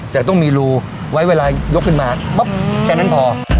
แต่ต้องมีรูไว้เวลายกขึ้นมาปั๊บแค่นั้นพอ